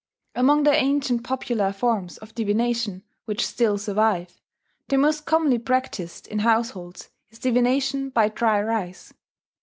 Among the ancient popular forms of divination which still survive, the most commonly practised in households is divination by dry rice.